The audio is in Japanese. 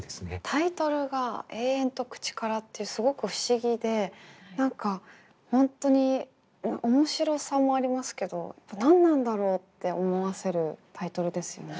タイトルが「えーえんとくちから」ってすごく不思議で何か本当に面白さもありますけど何なんだろうって思わせるタイトルですよね。